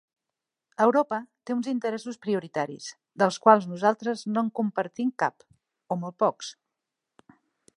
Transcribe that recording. Europa té uns interessos prioritaris, dels quals nosaltres no en compartim cap, o molt pocs.